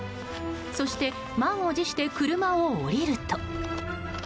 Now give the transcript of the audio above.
そして満を持して車を降りると。